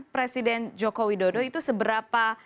presiden joko widodo itu seberapa